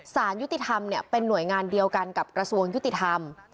สารยุติธรรมเป็นหน่วยงานเดียวกันกับกระทรวงยุติธรรม